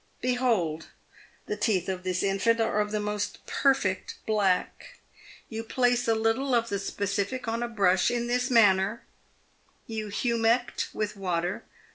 Behold the teeth of this infant are of the most perfect black. You place a little of the specific on a brush in this manner — you humect with water.